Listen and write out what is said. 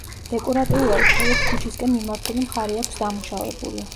დეკორატიულად მხოლოდ ქუჩისკენ მიმართული მხარე აქვს დამუშავებული.